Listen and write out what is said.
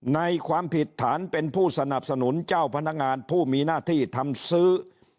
ความผิดฐานเป็นผู้สนับสนุนเจ้าพนักงานผู้มีหน้าที่ทำซื้อ